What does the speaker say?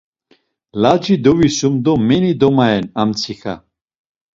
Laci devisum do meni domayen amtsiǩa.